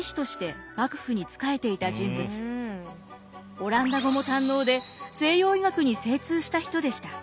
オランダ語も堪能で西洋医学に精通した人でした。